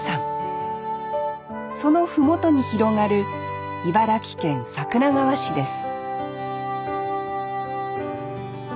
その麓に広がる茨城県桜川市です